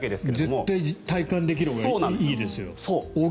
絶対体感できるほうがいいですよ。